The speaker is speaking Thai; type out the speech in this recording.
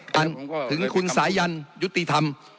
ถึงคุณสายันยุติธรรม